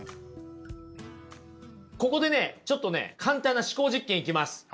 ここでねちょっとね簡単な思考実験いきます。